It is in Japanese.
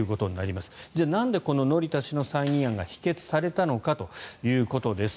じゃあなんでこの乗田氏の再任案が否決されたのかということです。